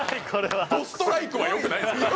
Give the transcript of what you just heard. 「どストライク」は良くないです。